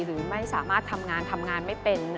หรือไม่สามารถทำงานทำงานไม่เป็น